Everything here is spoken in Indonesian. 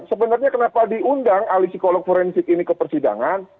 sebenarnya kenapa diundang ahli psikolog forensik ini ke persidangan